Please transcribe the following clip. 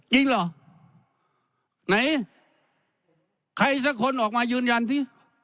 จริงเหรอไหนใครสักคนออกมายืนยันสิ